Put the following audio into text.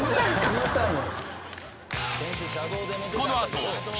言うたんよ。